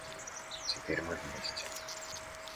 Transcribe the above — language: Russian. Теперь мы вместе.